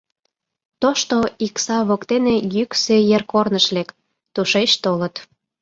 Тошто Икса воктене Йӱксӧ ер корныш лек: тушеч толыт.